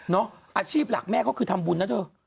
อาชีพหลักแม่เขาคือทำบุญนะเธอ